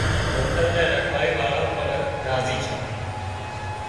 منۮر نِي رکواۯي واۯان پڻ راضي ڇان